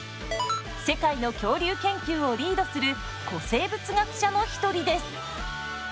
世界の恐竜研究をリードする古生物学者の一人です。